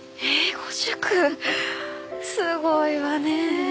すごいわね！